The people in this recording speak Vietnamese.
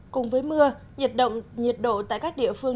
cùng với mưa nhiệt độ tại các địa phương